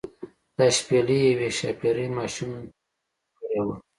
دا شپیلۍ یوې ښاپیرۍ ماشوم ته ډالۍ کړې وه.